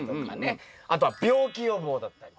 あとは病気予防だったりとか。